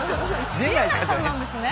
陣内さんなんですね！